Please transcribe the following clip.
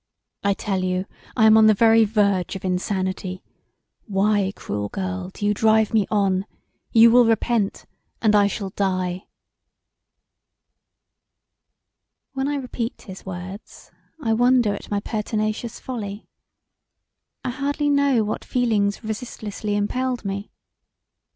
I tell you I am on the very verge of insanity; why, cruel girl, do you drive me on: you will repent and I shall die." When I repeat his words I wonder at my pertinacious folly; I hardly know what feelings resis[t]lessly impelled me.